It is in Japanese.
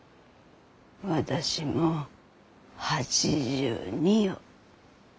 私も８２よ。